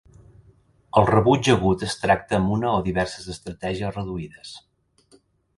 El rebuig agut es tracta amb una o diverses estratègies reduïdes.